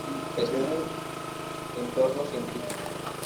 Creció en un entorno científico.